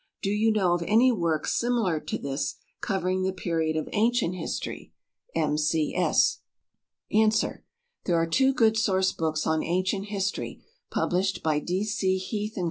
Do you know of any work similar to this covering the period of Ancient History?" M. C. S. ANS. There are two good source books on Ancient History published by D. C. Heath & Co.